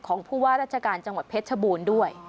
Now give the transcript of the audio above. ของผู้ว่าราชการจังหวัดเพชรชบูรณ์ด้วย